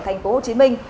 thành phố hồ chí minh